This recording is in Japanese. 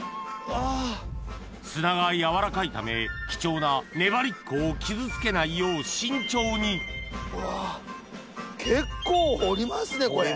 砂がやわらかいため貴重なねばりっこを傷つけないよう慎重にうわ結構掘りますねこれ。